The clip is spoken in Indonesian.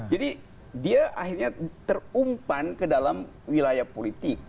jadi dia akhirnya terumpan ke dalam wilayah politik